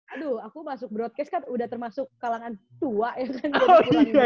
aduh aku masuk broadcast kan udah termasuk kalangan tua ya kan